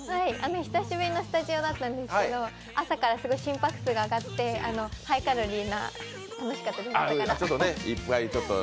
久しぶりのスタジオだったんですけど朝から心拍数が上がって、ハイカロリーなもの、おしいかったです。